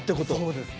そうです。